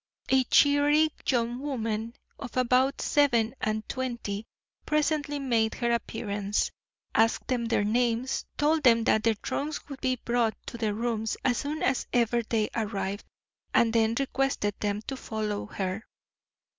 A cheery young woman of about seven and twenty presently made her appearance, asked them their names, told them that their trunks would be brought to their rooms as soon as ever they arrived, and then requested them to follow her.